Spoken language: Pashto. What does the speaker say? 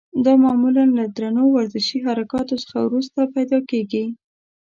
دا معمولا له درنو ورزشي حرکاتو څخه وروسته پیدا کېږي.